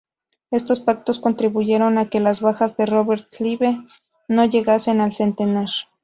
Estos pactos contribuyeron a que las bajas de Robert Clive no llegasen al centenar.